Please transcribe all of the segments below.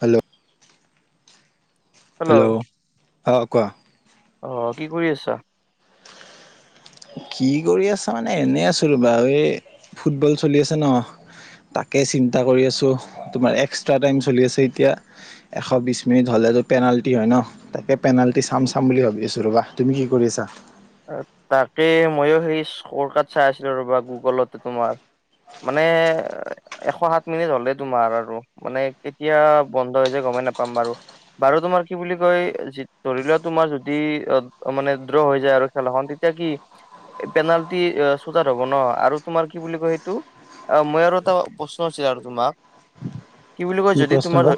Hello, hello, অ, কোৱা? অ', কি কৰি আছা? কি কৰি আছা মানে এনেই আছো। ৰবা এই ফুটবল চলি আছে ন? তাকেই চিন্তা কৰি আছো। তোমাৰ এক্সট্ৰা টাইম চলি আছে। এতিয়া এশ বিছ মিনিট হ'লেতো পেনাল্টি হয় ন? তাকে পেনাল্টি চাম চাম বুলি ভাবি আছো। ৰবা তুমি কি কৰি আছা? তাকে ময়ো সেই স্ক'ৰ কাৰ্ড চাই আছিলো। ৰ'বা গুগলতে তোমাৰ মানে এশ সাত মিনিট হ'লেই তোমাৰ আৰু মানে কেতিয়া বন্ধ হৈ যায়। গমেই নাপাম বাৰু বাৰু তোমাৰ কি বুলি কয় ধৰি লোৱা তোমাৰ যদি অ, মানে দ্ৰ হৈ যায় আৰু খেলখন তেতিয়া কি পেনাল্টি চোটআউট হব ন আৰু তোমাৰ কি বুলি কয় সেইটো? আহ মই আৰু এটা প্ৰশ্ন আছিলো আৰু তোমাক কি বুলি কয়? যদি প্ৰশ্ন তোমাৰ বা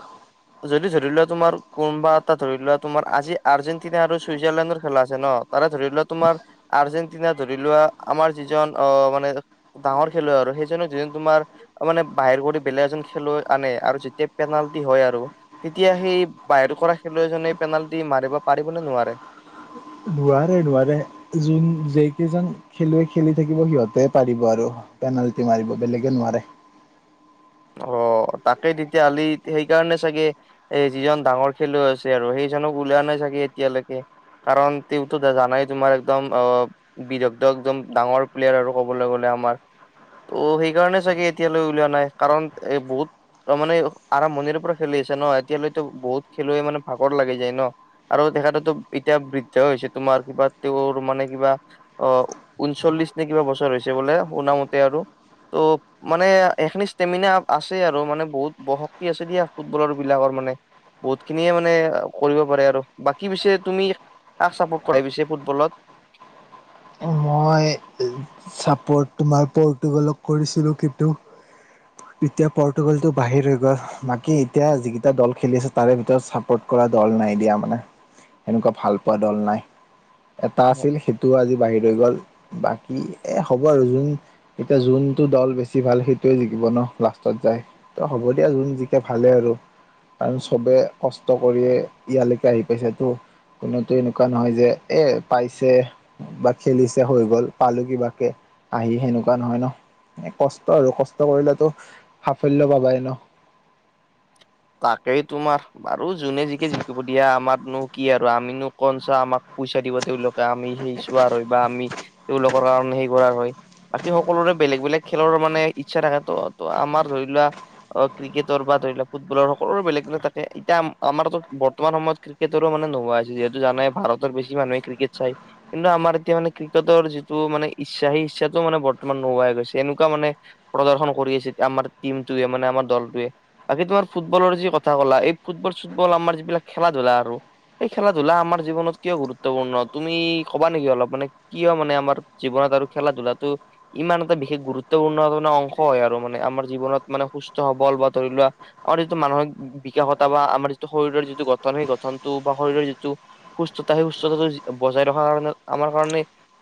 যদি ধৰি লোৱা তোমাৰ কোনোবা এটা ধৰি লোৱা তোমাৰ আজি আৰ্জেণ্টিনা আৰু চুইজাৰলেণ্ডৰ খেলা আছে ন? তাৰে ধৰি লোৱা তোমাৰ আৰ্জেণ্টিনা ধৰি লোৱা আমাৰ যিজন আহ মানে ডাঙৰ খেলুৱৈ আৰু সেইজন যি জন তোমাৰ মানে বাহিৰ কৰি বেলেগ এজন খেলুৱৈ আনে আৰু যেতিয়া পেনাল্টি হয় আৰু তেতিয়া সেই বাহিৰ কৰা খেলুৱৈজনে পেনাল্টি মাৰিব পাৰিব নে নোৱাৰে? হেই নোৱাৰে যোন যেইকেইজন খেলুৱৈ খেলি থাকিব সিহঁতেহে পাৰিব আৰু পেনাল্টি মাৰিব বেলেগে নোৱাৰে। অ', তাকেই তেতিয়া হালি সেইকাৰণে চাগে এ', যিজন ডাঙৰ খেলুৱৈ আছে আৰু সেইজনক ওলোৱা নাই চাগে। এতিয়ালৈকে কাৰণ তেওঁ টো দে জানাই তোমাৰ একদম অ, বিদগ্ধ একদম ডাঙৰ প্লেয়াৰ আৰু ক'বলৈ গ'লে আমাৰ অ', সেইকাৰণে চাগে এতিয়ালৈ উলিওৱা নাই। কাৰণ এ বহুত ত', মানে আৰম্ভণিৰ পৰা খেলি আছে ন। এতিয়ালৈতো বহুত খেলুৱৈ মানে ভাগৰ লাগি যায় ন। আৰু তেখেতেটো এতিয়া বৃদ্ধো হৈছে। তোমাৰ কিবা তেওঁৰ মানে কিবা। অ', ঊনচল্লিশ নে কিবা বছৰ হৈছে বোলে। শুনা মতে আৰু ত', মানে এখিনি ষ্টেমিনা আছে আৰু মানে বহুত ব শক্তি আছে। দিয়া ফুটবলাৰ বিলাকৰ মানে বহুত খিনিয়ে মানে কৰিব পাৰে আৰু বাকী পিছে তুমি কাক চাপৰ্ট কৰা পিছে ফুটবলত? অ' মই চাপৰ্ট তোমাৰ পৰ্তুগালক কৰিছিলো কিন্তু, এতিয়া পৰ্তুগালটো বাহিৰ হৈ গ'ল বাকী এতিয়া যিকেইটা দল খেলি আছে তাৰে ভিতৰত চাপৰ্ট কৰা দল নাই দিয়া মানে সেনেকুৱা ভাল পোৱা দল নাই। এটা আছিল সেইটোও আজি বাহিৰ হৈ গ'ল, বাকী এ হ'ব আৰু ওন- এতিয়া যোনটো দল বেছি ভাল সেইটোৱে জিকিব ন' লাষ্টত যায়। ত' হ'ব দিয়া যোন জিকে ভালে আৰু। কাৰণ চবে কষ্ট কৰিয়ে ইয়ালৈকে আহি পাইছে টো। কোনোতো এনেকুৱা নহয় যে এ পাইছে বা খেলিছে হৈ গল পালো কিবা কে আহি সেনেকুৱা নহয় ন' এ কষ্ট আৰু কষ্ট কৰিলেতো সাফল্য পাবাই ন। তাকেই তোমাৰ বাৰু যোনে জিকে জিকিব দিয়া আমাৰনো কি আৰু আমিনো কনচা আমাক পইচা দিব তেওঁলোক বা আমি সেই চোৱাৰ হয় বা আমি তেওঁলোকৰ কাৰণে সেই কৰাৰ হয়। বাকী সকলোৰে বেলেগ বেলেগ খেলৰ মানে ইচ্ছা থাকেতো, ত' আমাৰ ধৰি লোৱা অ' ক্ৰিকেটৰ বা ধৰি লওক ফুটবলৰ সকলোৰে বেলেগ বেলেগ থাকে এতিয়া আম আমাৰতো বৰ্তমান সময়ত ক্ৰিকেটৰো মানে নোহোৱা হৈছে যিহেতু জানাই ভাৰতৰ বেছি মানুহে ক্ৰিকেট চাই। কিন্তু আমাৰ এতিয়া মানে ক্ৰিকেটৰ যিটো মানে ইচ্ছা সেই ইচ্ছাটো মানে বৰ্তমান নোহোৱা হৈ গৈছে এনেকুৱা মানে প্ৰদৰ্শন কৰি আছে আমাৰ টিমটোয়ে মানে আমাৰ দলটোৱে বাকী তোমাৰ ফুটবলৰ যি কথা কলা এই ফুটবল চুটবল আমাৰ যিবিলাক খেলা-ধূলা আৰু এই খেলা-ধূলা আমাৰ জীৱনত কিয় গুৰুত্বপূৰ্ণ তুমি ক'বা নেকি অলপ মানে। কিয় মানে আমাৰ জীৱনত আৰু খেলা-ধূলাটো ইমান এটা বিশেষ গুৰুত্বপূৰ্ণ মানে অংশ হয় আৰু মানে আমাৰ জীৱনত মানে সুস্থ সবল বা ধৰি লোৱা শৰীৰটো মানসিক বিকাশতা বা আমাৰ যিটো শৰীৰৰ যিটো গঠন সেই গঠনটো বা শৰীৰৰ যিটো সুস্থতা সেই সুস্থতাটো বজাই ৰখাৰ কাৰণে আমাৰ কাৰণে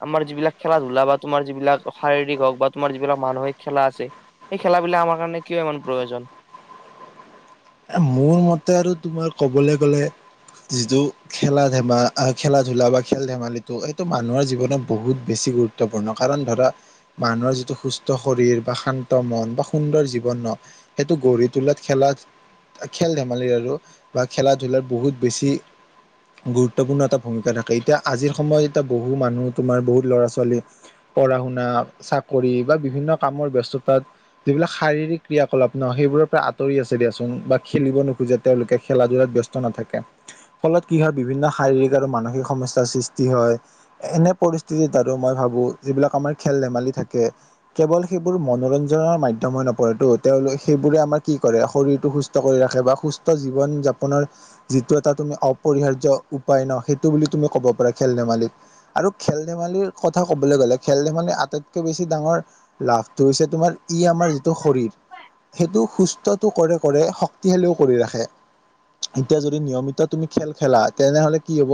আমাৰ যিবিলাক খেলা-ধূলা বা তোমাৰ যিবিলাক শাৰীৰিক হওক বা তোমাৰ যিবিলাক মানসিক খেলা আছে। সেই খেলাবিলাক আমাৰ কাৰণে কিয় ইমান প্ৰয়োজন? মোৰ মতে আৰু তোমাৰ ক'বলে গ'লে যিটো খেলা ধেমা খেলা-ধূলা বা খেল ধেমালিটো এইটো মানুহৰ জীৱনত বহুত বেছি গুৰু- ত্বপূৰ্ণ কাৰণ ধৰা মানুহৰ যিটো সুস্থ শৰীৰ বা শান্ত মন বা সুন্দৰ জীৱন ন সেইটো গঢ়িতোলাত খেলা - খেল ধেমালিৰ আৰু বা খেলা-ধূলাৰ বহুত বেছি গুৰুত্বপূৰ্ণ এটা ভূমিকা থাকে এতিয়া আজিৰ সময়ত এতিয়া বহু মানুহ তোমাৰ বহুত ল'ৰা ছোৱালী পঢ়া-শুনা চাকৰি বা বিভিন্ন কামৰ ব্যস্ততাত। যিবিলাক শাৰীক ক্ৰিয়াকলাপ ন' সেইবোৰৰ পৰা আঁতৰি আছে দিয়াচোন বা খেলিব নোখোজে তেওঁলোকে খেলা-ধূলাত ব্যস্ত নাথাকে ফলত কি হয় বিভিন্ন শাৰীৰিক আৰু মানসিক সমস্যাৰ সৃষ্টি হয়। এনে পৰিস্থিতিত আৰু মই ভাবো যিবিলাক আমাৰ খেল ধেমালি থাকে। কেৱল সেইবোৰ মনোৰঞ্জনৰ মাধ্যম হৈ নপৰে তো তেওঁলৈ, সেইবোৰে আমাৰ কি কৰে শৰীৰটো সু- স্থ কৰি ৰাখে বা সুস্থ জীৱন যাপনৰ যিটো এটা তুমি অপৰিহাৰ্য উপায় ন সেইটো বুলি তুমি ক'ব পাৰা খেল ধেমালিক আৰু খেল ধেমালিৰ কথা ক'বলে গ'লে খেল ধেমালি আটাইতকৈ বেছি ডাঙৰ লাভটো হৈছে তোমাৰ, ই আমাৰ যিটো শৰীৰৰ, সেইটো সুস্থটো কৰে, কৰে তেলো কৰি ৰাখে, এতিয়া যদি নিয়মিত তুমি খেল-খেলা, তেনেহ'লে কি হব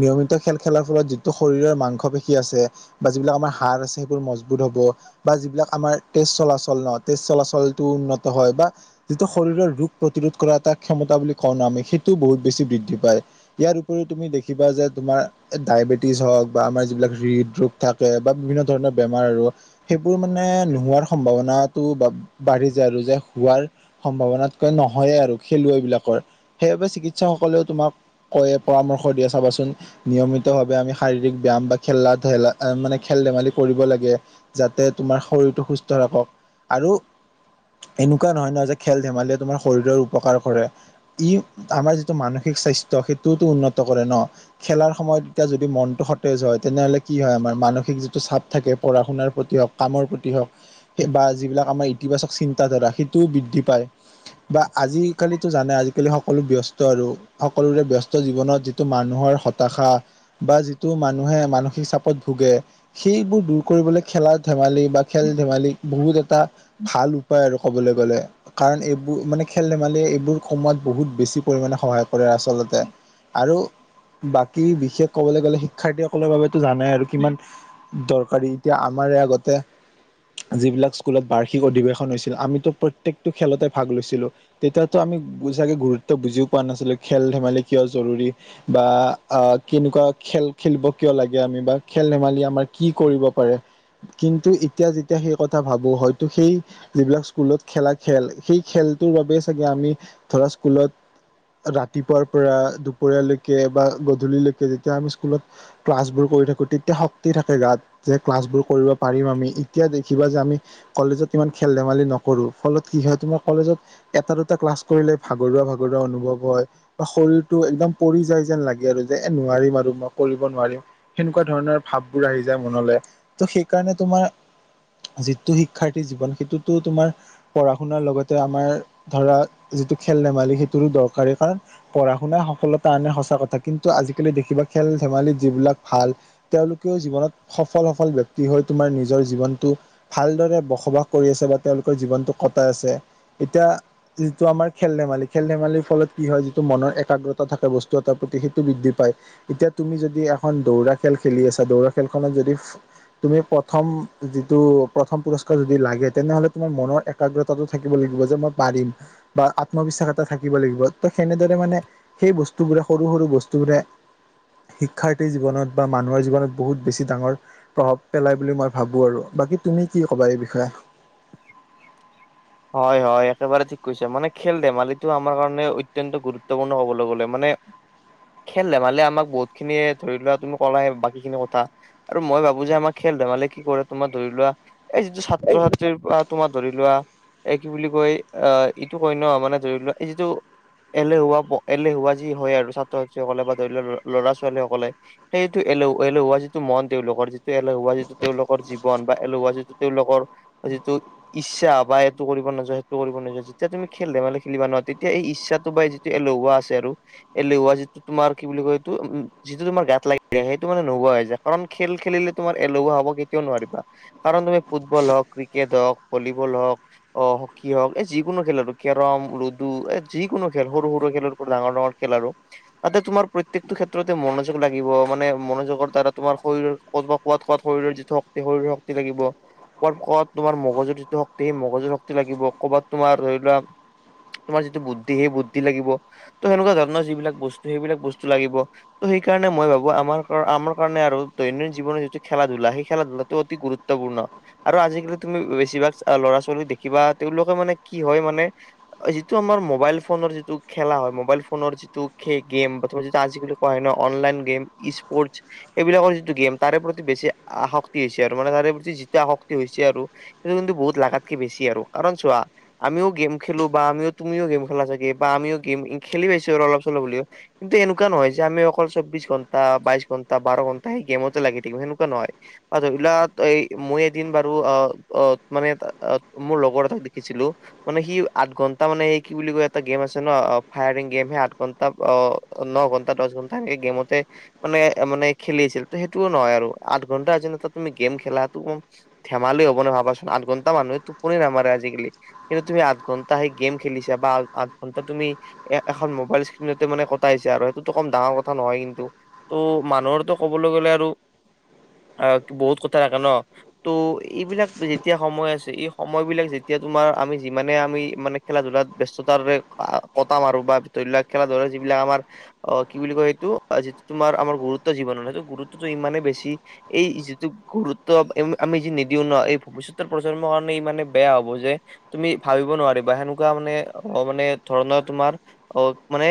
নিয়মিত খেল-খেলাৰ ফলত, যিটো শৰীৰৰ মাংস পেশী আছে বা যিবিলাক আমাৰ হাৰ আছে, সেইবোৰ মজবুত বোধ হ'ব বা যিবিলাক আমাৰ তেজ চলাচল ন, তেজ চলাচলটো উন্নত হয়, বা যিটো শৰীৰৰ ৰোগ প্ৰতিৰোধ কৰা এটা ক্ষমতা বুলি কওঁ ন আমি, সেইটোও বহুত বেছি বৃদ্ধি পায়। ইয়াৰ উপৰিও, তুমি দেখিবা যে তোমাৰ ডায়েবেটিছ হওক বা আমাৰ যিবিলাক হৃদৰোগ থাকে বা বিভিন্ন ধৰণৰ বেমাৰ আৰু। সেইবোৰ মানে নোহোৱাৰ সম্ভাৱনাটো বা বাঢ়ি যায়, আৰু যে হোৱাৰ সম্ভাৱনাত নহয়েই আৰু খেলুৱৈ বিলাকৰ, সেইবাবে চিকিৎসক সকলেও তোমাক কয়, পৰামৰ্শ দিয়ে চাবাচোন। নিয়মিত ভাৱে, আমি শাৰীৰিক ব্যায়াম বা খেলা-ধেলা মানে, খেল-ধেমালি কৰিব লাগে। যাতে, তোমাৰ শৰীৰটো সুস্থ ৰাখক, আৰু এনেকুৱা নহয়, ন যে, খেল-ধেমালিয়ে তোমাৰ শৰীৰৰ উপকাৰ কৰে। ই, আমাৰ যিটো মানসিক স্বাস্থ্য সেইতুটো উন্নত কৰে ন'। খেলাৰ সময়ত, এতিয়া যদি মনটো সতেজ হয়, তেনেহ'লে কি হয় আমাৰ মানসিক যিটো চাপ থাকে, পঢ়া-শুনাৰ প্ৰতি হওক কামৰ প্ৰতি হওক বা যিবিলাক আমাৰ ইতিবাচক চিন্তাধাৰা, সি টোও বৃদ্ধি পায়। বা আজিকালি জানাই, আজিকালিটো সকলো ব্যস্ত আৰু। সকলোৰে ব্যস্ত জীৱনত, যিটো মানুহৰ হতাশা বা যিটো মানুহে, মানসিক চাপত ভোগে, সেইবোৰ দূৰ কৰিবলৈ খেলা-ধেমালি বা খেল-ধেমালি বহুত এটা ভাল উপায় আৰু ক'বলৈ গ'লে। কাৰণ, এইবোৰ মানে, খেল-ধেমালিয়ে, এইবোৰ কমোৱাত বহুত বেছি পৰিমাণে সহায় কৰে আচলতে। আৰু বাকী বিশেষ কবলৈ গ'লে, শিক্ষাৰ্থী সকলৰ বাবেতো জানাই আৰু কিমান দৰকাৰী, এতিয়া আমাৰে আগতে যিবিলাক, স্কুলত বাৰ্ষিক অধিবেশন হৈছিল, আমিতো প্ৰত্যেকটো খেলতে ভাগ লৈছিলো। তেতিয়াতো আমি চাগে, গুৰুত্ব বুজিও পোৱা নাছিলো খেল-ধেমালি কিয় জৰুৰী। বা আহ কেনেকুৱা খেল, খেলিব কিয় লাগে আমি, বা খেল-ধেমালি আমাৰ কি কৰিব পাৰে? কিন্তু, এতিয়া যেতিয়া সেই কথা ভাবো, হয়তো সেই যিবিলাক স্কুলত খেলা খেল, সেই খেলটোৰ বাবেই চাগে, আমি ধৰা স্কুলত ৰাতিপুৱাৰ পৰা দুপৰীয়ালৈকে বা গধূলিলৈকে যেতিয়া আমি স্কুলত ক্লাছবোৰ কৰি থাকো, তেতিয়া শক্তি থাকে গাত। যে ক্লাছবোৰ কৰিব পাৰিম আমি, এতিয়া দেখিবা যে আমি, কলেজত ইমান খেল-ধেমালি নকৰো ফলত কি হয়, তোমাৰ কলেজত এটা দুটা ক্লাছ কৰিলে ভাগৰুৱা, ভাগৰুৱা অনুভৱ হয়। বা শৰীৰটো একদম পৰি যায় যেন লাগে, আৰু যে এ নোৱাৰিম আৰু মই কৰিব নোৱাৰিম। সেনেকুৱা ধৰণৰ ভাববোৰ আহি যায় মনলে, ত' সেইকাৰণে তোমাৰ যিটো শিক্ষাৰ্থীৰ জীৱন, সেইটোতো তোমাৰ পঢ়া-শুনাৰ লগতে, আমাৰ ধৰা যিটো খেল-ধেমালি সেইটো দৰকাৰী, কাৰণ পঢ়া-শুনা সফলতা আনে সঁচা কথা, কিন্তু আজিকালি দেখিবা, খেল-ধেমালিত যিবিলাক ভাল। তেওঁলোকেও জীৱনত সফল, সফল ব্যক্তি হৈ, তোমাৰ নিজৰ জীৱনটো ভালদৰে বসবাস কৰি আছে, বা তেওঁলোকৰ জীৱনটো কটাই আছে, এতিয়া যিটো আমাৰ খেল-ধেমালি, খেল-ধেমালিৰ ফলত কি হয়, যিটো মনৰ একাগ্ৰতা থাকে, বস্তু এটাৰ প্ৰতি সেইটো বৃদ্ধি পায়। এতিয়া, তুমি যদি এখন দৌৰা খেল-খেলি আছা, দৌৰা খেলখনত যদি তুমি, প্ৰথম যিটো প্ৰথম পুৰস্কাৰ যদি লাগে, তেনেহ'লে তোমাৰ মনৰ একাগ্ৰতাটো থাকিব লাগিব, যে মই পাৰিম, বা আত্মবিশ্বাস এটা থাকিব লাগিব। ত' সেনেদৰে মানে সেই বস্তু বোৰে সৰু সৰু বস্তু বোৰে শিক্ষাৰ্থীৰ জীৱনত বা মানুহৰ জীৱনত বহুত বেছি ডাঙৰ প্ৰভাৱ পেলাই বুলি মই ভাবো আৰু বাকী তুমি কি ক'বা এই বিষয়ে [inaudible] হয়, হয়! একেবাৰে ঠিক কৈছে মানে খেল ধেমালিটো আমাৰ কাৰণে অত্যন্ত গুৰুত ত্বপূৰ্ণ হ'বলৈ গলে' মানে? খেল ধেমালিয়ে আমাক বহুত খিনিয়ে ধৰি লোৱা তুমি কলাই বাকী খিনি কথা, আৰু মই ভাবো যে আমাৰ খেল ধেমালি কি কৰে তোমাৰ ধৰি লোৱা এই যিটো ছাত্ৰ ছাত্ৰীৰ পৰা, তোমা ধৰি লোৱা এ কি বুলি কয় আহ ইটো কই ন মানে ধৰি লোৱা এই যিটো, এলেহুৱা প এলেহুৱা যি হয় আৰু ছাত্ৰ ছাত্ৰীসকলে বা ধৰি লও ল'ৰা ছোৱালীসকলে, সেইটো এলো এলেহুৱা যিটো মন তেওঁলোকৰ যিটো এলেহুৱা যিটো তেওঁলোকৰ জীৱন বা এলেহুৱা যিটো তেওঁলোকৰ, যিটোত ইচ্ছা বা এইটো কৰিব নাযায় সেইটো কৰিব নাযায় যেতিয়া তুমি খেল ধেমালি খেলিবা ন তেতিয়া এই ইচ্ছাটো বাই, যে এলোহুৱা আছে আৰু এলেহুৱা যিটো তোমাৰ কি বুলি কয় এইটো উ উ যিটো তোমাৰ গাত লাগি যায় সেইটো মানে নোহোৱা হৈ যায় কাৰণ খেল খেলিলে তোমাৰ এলেহুৱা হ'ব কেতিয়াও নোৱাৰিবা! কাৰণ তুমি ফুটবল হওক ক্ৰিকেট হওক ভলীবল হওক অ হকী হওক এ যিকোনো খেল আৰু কেৰম লুডু এ যিকোনো খেল সৰু সৰু খেলৰ ডাঙৰ ডাঙৰ খেল আৰু তাতে তোমাৰ প্ৰত্যয়েকটো ক্ষেত্ৰতে মনোযোগ লাগিব মানে মনোযোগৰ দ্বাৰা তোমাৰ শৰীৰ কত বা কোৱাত কোৱাত শৰীৰৰ যিটো শক্তি শৰীৰৰ শক্তি লাগিব কোৱাত কোৱাত তোমাৰ মগজু, যিটো শক্তি মগজুৰ শক্তি লাগিব ক'বাত তোমাৰ ধৰি লোৱা, তোমাৰ যিটো বুদ্ধি সেই বুদ্ধি লাগিব ত সেনেকুৱা ধৰণৰ যিবিলাক বস্তু সেইবিলাক বস্তু লাগিব, ত' সেইকাৰণে মই ভাবো আমাৰ কাৰ আমাৰ কাৰণে আৰু দৈনন্দিন জীৱনৰ যিটো খেলা ধূলা সেই খেলা ধূলাটো অতি গুৰুত ত্বপূৰ্ণ আৰু আজিকালি তুমি বেছিভাগ ল'ৰা ছোৱালীক দেখিবা তেওঁলোকে মানে কি হয় মানে? যিটো আমাৰ মোবাইল ফোনৰ যিটো খেলা হয়! মোবাইল ফোনৰ যিটো খে গেম বা তমাৰ যিটো আজিকালি, হয় ন অনলাইন গেম স্পৰ্টচ, এইবিলাকৰ যিটো গেম তাৰে প্ৰতি বেছি আসক্তি হৈছে আৰু মানে তাৰে প্ৰতি যিটো আসক্তি হৈছে আৰু, সেইটো কিন্তু বহুত লাগাতকে বেছি আৰু কাৰণ চোৱা, আমিও গেম খেলো বা আমিও তুমিও গেম খেলা চাগে বা আমিও গেম এ খেলি পাইছো আৰু অলপ চলপ হলেও, কিন্তু এনেকুৱা নহয় যে আমি অকল চৌব্ববিশ ঘণ্টা বাইশ ঘণ্টা বাৰ ঘণ্টা সেই গেমতে লাগি থাকিম সেনেকুৱা নহয়! অঁ, ধৰিলা এ মই এদিন বাৰু অঁ, অঁ মানে ত আ আ মোৰ লগৰ এটাক দেখিছিলো! মানে সি আঠ ঘন্টা মানে হে কি বুলি কয় এটা গেম আছে ন অ ফায়াৰিং গেম হে আঠ ঘন তা অঁ, ন ঘণ্টা দচ ঘণ্টা সেই গেমতে মানে মানে খেলি আছিল ত সেইটোও নহয় আৰু আঠ ঘন্টা এজিনত তুমি গেম খেলাটো, ধেমালি হব নে ভাবাচোন আঠ ঘণ্টা মানুহে টোপনি নামাৰে আজিকালি? কিন্তু তুমি আঠ ঘন্টা সেই গেম খেলিছা বা আ আঠ ঘন্টা তুমি, এ এখন মোবাইল স্ক্ৰীণতে মানে কটাইছে আৰু সেইটোতো কম ডাঙৰ কথা নহয় কিন্তু? ত' মানুহৰটো ক'বলৈ গ'লে আৰু, আ, বহুত কথাই থাকে ন ত' এইবিলাক যিত তিয়া সময় আছে এই সময় বিলাক যেতিয়া তোমাৰ আমি যিমানে আমি মানে খেলা ধূলাত ব্যস্ততাৰে, আ কটাম আৰু বা ধৰি লোৱা খেলা ধোলা যিবিলাক আমাৰ, অঁ, কি বুলি কয় সেইটো যিটো তোমাৰ আমাৰ গুৰুত্ব জীৱনত হেটো গুৰুত্বটো ইমানেই বেছি, এই এই যিটো গুৰুত্ব এম আম আমি যি নিদিও ন এই ভৱিষ্যত, তৰ প্ৰজন্মৰ কাৰণে ইমানে বেয়া হ'ব যে, তুমি ভাবিব নোৱাৰিবা সেনেকুৱা মানে অ মানে ধৰণৰ তোমাৰ অঁ মানে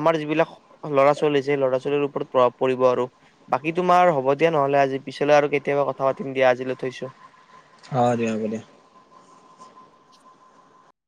আমাৰ যিবিলাক ল'ৰা-ছোৱালী আছে, সেই ল'ৰা-ছোৱালীৰ ওপৰত প্ৰভাৱ পৰিব আৰু। বাকী তোমাৰ হ'ব দিয়া নহলে আজি পিছলৈ আৰু কেতিয়াবা কথা পাতিম দিয়া আজিলৈ থৈছো। অ দিয়া, হব দিয়া। [inaudible]